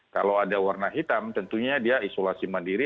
kalau ada warna hitam tentunya dia isolasi mandiri